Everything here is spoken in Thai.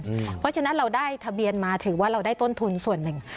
เพราะฉะนั้นเราได้ทะเบียนมาถือว่าเราได้ต้นทุนส่วนหนึ่ง